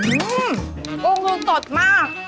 อืมกุ้งดูสดมาก